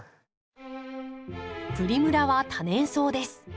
プリムラは多年草です。